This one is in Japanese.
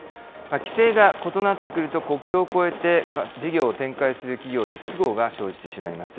規制が異なってくると、国境を越えて事業を展開する企業に不都合が生じてしまいます。